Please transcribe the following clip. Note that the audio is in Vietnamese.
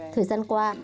thời gian qua